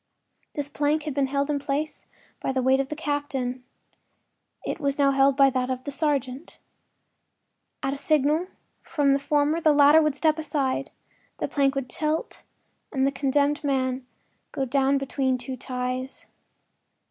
This plank had been held in place by the weight of the captain; it was now held by that of the sergeant. At a signal from the former the latter would step aside, the plank would tilt and the condemned man go down between two ties.